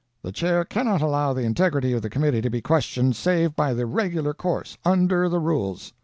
The Chair cannot allow the integrity of the committee to be questioned save by the regular course, under the rules.